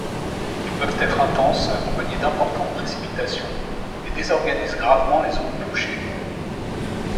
Ils peuvent être intenses, accompagnés d'importantes précipitations et désorganisent gravement les zones touchées.